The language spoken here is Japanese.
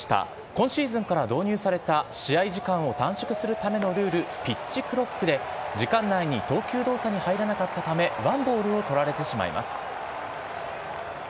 今シーズンから導入された試合時間を短縮するためのルールピッチ・クロックで時間内に投球動作に入らなかったため１ボールを取られてしまいます。